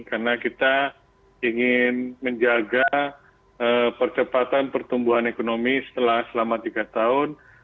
karena kita ingin menjaga percepatan pertumbuhan ekonomi setelah selama tiga tahun